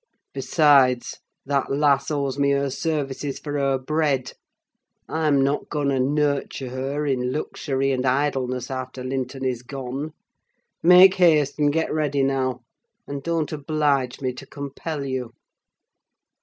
Besides, that lass owes me her services for her bread. I'm not going to nurture her in luxury and idleness after Linton is gone. Make haste and get ready, now; and don't oblige me to compel you."